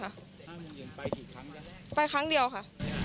ไปกี่ครั้งไปครั้งเดี๋ยวค่ะ